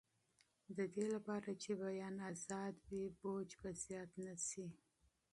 د دې لپاره چې بیان ازاد وي، فشار به زیات نه شي.